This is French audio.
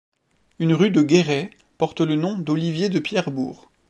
Une rue de Guéret porte le nom d'Olivier de Pierrebourg.